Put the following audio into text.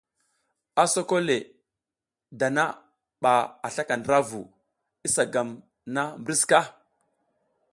A soko le dan aba a slaka ndra vu, isa gam na mbri sika?